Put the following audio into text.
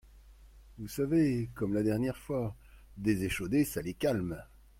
Vous savez… comme la dernière fois… des échaudés, ça les calme.